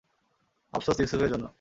আফসোস ইউসুফের জন্যে।